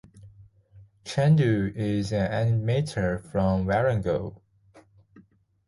Chandu is an animator from Warangal.